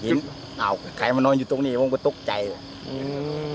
อ้าวใครมานอนอยู่ตรงนี้ผมก็ตกใจอืม